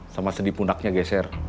sama sedipunaknya geser